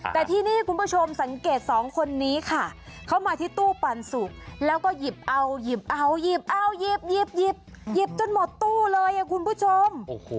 แต่ที่นี่คุณผู้ชมสังเกตสองคนนี้ค่ะเข้ามาที่ตู้ปันสุกแล้วก็หยิบเอาหยิบเอาหยิบเอาหยิบหยิบจนหมดตู้เลยคุณผู้ชม